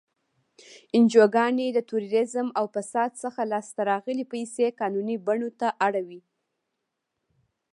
انجوګانې د تروریزم او فساد څخه لاس ته راغلی پیسې قانوني بڼو ته اړوي.